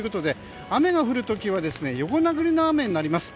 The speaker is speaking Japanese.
雨が降る時は横殴りの雨になります。